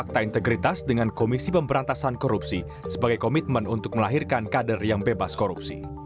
fakta integritas dengan komisi pemberantasan korupsi sebagai komitmen untuk melahirkan kader yang bebas korupsi